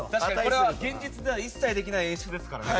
これは現実では一切できない演出ですからね。